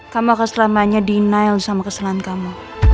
kamu akan selamanya denial sama kesalahan kamu